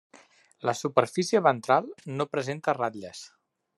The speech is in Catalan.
La superfície ventral no presenta ratlles.